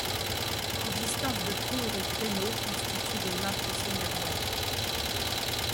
L'existence de tours et créneaux constitue des marques seigneuriales.